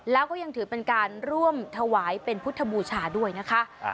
แล้วก็ยังถือเป็นการร่วมถวายเป็นพุทธบูชาด้วยนะคะ